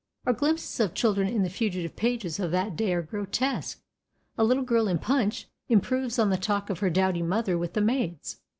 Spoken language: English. Our glimpses of children in the fugitive pages of that day are grotesque. A little girl in Punch improves on the talk of her dowdy mother with the maids.